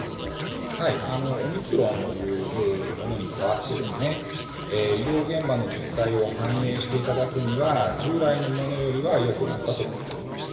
オミクロンというものに変わって医療現場の実態を反映していただくには従来のものよりは良くなったと思います。